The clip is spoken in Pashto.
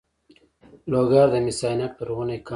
لوګر د مس عینک لرغونی کان لري